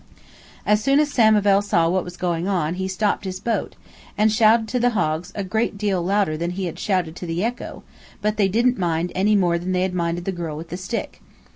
As soon as Samivel saw what was going on he stopped his boat, and shouted to the hogs a great deal louder than he had shouted to the echo, but they didn't mind any more than they had minded the girl with the stick.